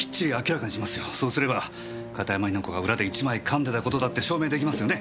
そうすれば片山雛子が裏で一枚噛んでた事だって証明出来ますよね。